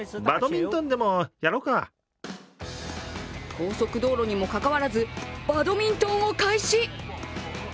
高速道路にも関わらず、バドミントンを開始。